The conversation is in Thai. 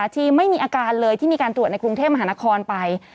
ที่ไม่มีอาการเลยที่มีการตรวจในกรุงเทพมหานครไป